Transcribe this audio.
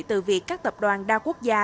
từ việc các tập đoàn đa quốc gia